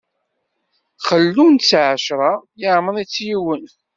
Xellun-tt ɛecṛa, yeɛmeṛ-itt yiwen.